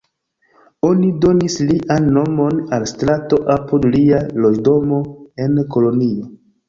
Oni donis lian nomon al strato apud lia loĝdomo en Kolonjo.